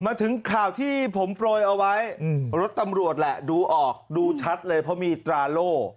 มาถึงข่าวที่ผมโปรยเอาไว้รถตำรวจแหละดูออกดูชัดเลยเพราะมีตราโล่